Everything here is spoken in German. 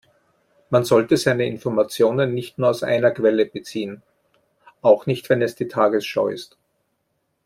Man sollte seine Informationen nicht nur aus einer Quelle beziehen, auch nicht wenn es die Tagesschau ist.